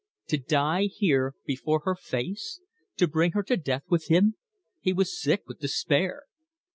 To die here before her face? To bring her to death with him? He was sick with despair.